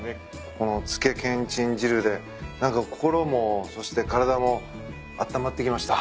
このつけけんちん汁で何か心もそして体もあったまってきました。